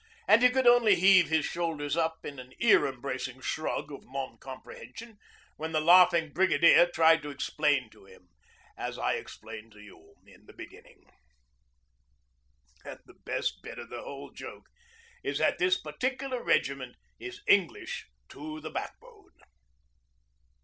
And he could only heave his shoulders up in an ear embracing shrug of non comprehension when the laughing brigadier tried to explain to him (as I explained to you in the beginning): 'And the best bit of the whole joke is that this particular regiment is English to the backbone.'